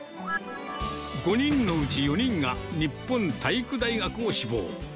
５人のうち４人が、日本体育大学を志望。